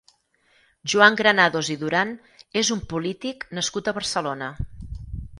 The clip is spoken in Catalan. Joan Granados i Duran és un polític nascut a Barcelona.